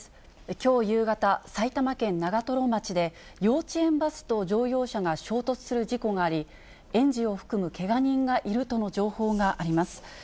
きょう夕方、埼玉県長瀞町で、幼稚園バスと乗用車が衝突する事故があり、園児を含むけが人がいるとの情報があります。